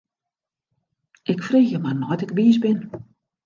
Ik freegje mar nei't ik wiis bin.